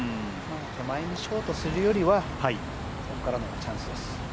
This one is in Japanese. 手前にショートするよりはここからのチャンスです。